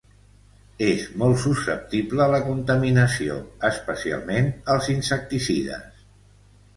És molt susceptible a la contaminació, especialment als insecticides.